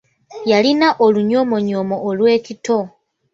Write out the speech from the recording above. Yalina olunyoomonyoomo olw'ekito.